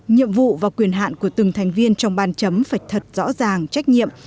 nhiệm vụ và quyền hạn của từng thành viên trong ban chấm phải thật rõ ràng trách nhiệm